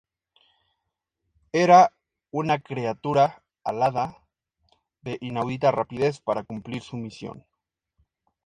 Era una criatura alada de inaudita rapidez para cumplir su misión.